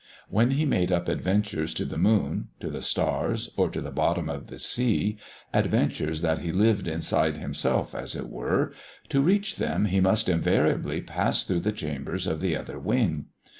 When he made up adventures to the moon, to the stars, or to the bottom of the sea, adventures that he lived inside himself, as it were to reach them he must invariably pass through the chambers of the Other Wing.